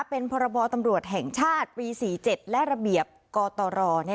เป็นพรบตำรวจแห่งชาติปี๔๗และระเบียบกตร